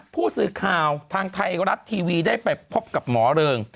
ผู้สื่อข่าวทางไทยรัฐทีวีได้ไปพบกับหมอเริง